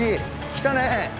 来たね。